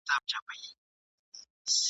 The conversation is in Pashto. لکه د تللیو زړو یارانو ..